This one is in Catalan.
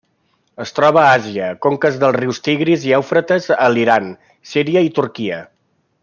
Es troba a Àsia: conques dels rius Tigris i Eufrates a l'Iran, Síria i Turquia.